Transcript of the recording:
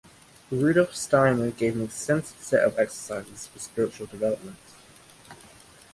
Rudolf Steiner gave an extensive set of exercises for spiritual development.